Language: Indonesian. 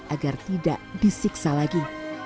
agar tidak disiksa lagi